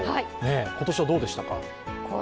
今年はどうでしたか？